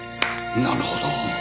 なるほど。